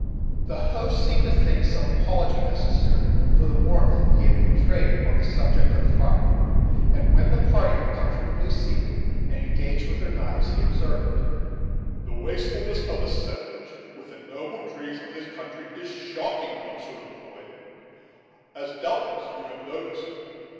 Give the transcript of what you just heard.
The host seemed to think some apology necessary for the warmth he had betrayed on the subject of the firewood, and when the party were comfortably seated, and engaged with their knives and forks, he observed: "The wastefulness of the settlers with the noble trees of this country is shocking, Monsieur Le Quoi, as doubt less you have noticed.